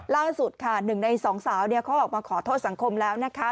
ล่าสุดค่ะหนึ่งในสองสาวเขาออกมาขอโทษสังคมแล้วนะคะ